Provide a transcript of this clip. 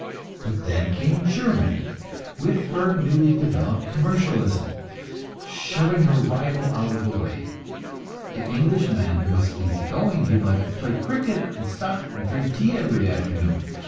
But then came Germany, with her newly developed commercialism, shoving her rival out of the way. The Englishman was easy going; he liked to play cricket, and stop and drink tea every afternoon.